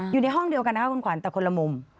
อยู่ในห้องเดียวกันนะครับคุณขวัญแต่คนละมุม